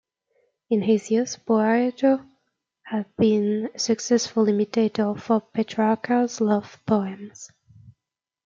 In his youth Boiardo had been a successful imitator of Petrarca's love poems.